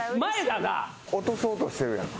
落とそうとしてるやん。